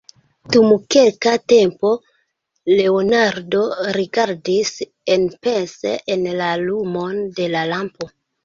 Dum kelka tempo Leonardo rigardis enpense en la lumon de la lampo.